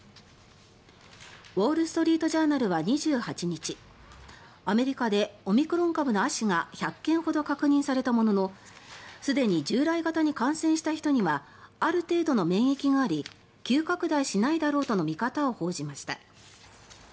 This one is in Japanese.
ウォール・ストリート・ジャーナルは２８日アメリカでオミクロン株の亜種が１００件ほど確認されたもののすでに従来型に感染した人にはある程度の免疫があり急拡大しないだろうとの見方を報じました。